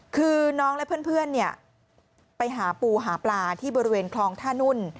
คือน้องและเพื่อนไปหาปูหาปลาที่บริเวณคลองท่านุ่น